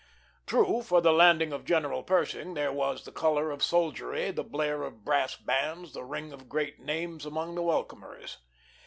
True, for the landing of General Pershing there was the color of soldiery, the blare of brass bands, the ring of great names among the welcomers.